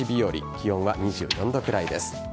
気温は２４度くらいです。